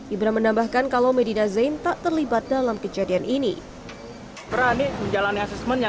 ibra menambahkan kalau medina zain tak terlibat dalam kejadian ini berani menjalani asesmennya